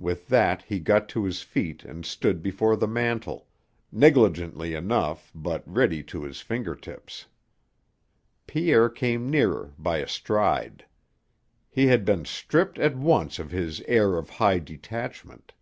With that he got to his feet and stood before the mantel, negligently enough, but ready to his fingertips. Pierre came nearer by a stride. He had been stripped at once of his air of high detachment.